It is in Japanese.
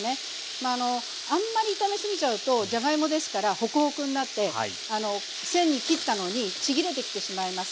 まああんまり炒めすぎちゃうとじゃがいもですからホクホクになって繊維切ったのにちぎれてきてしまいます。